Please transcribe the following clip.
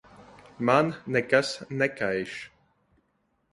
Man nekas nekaiš.